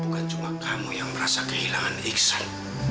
bukan cuma kamu yang merasa kehilangan iksan